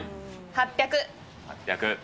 ８００。